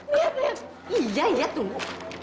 oke lihat dulu